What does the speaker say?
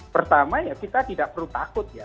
pertamanya kita tidak perlu takut ya